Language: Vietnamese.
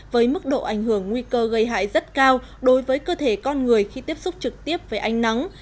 với mức độ ảnh hưởng nguy cơ gây hại rất cao đối với cơ thể con người khi tiếp xúc trực tiếp với ánh nắng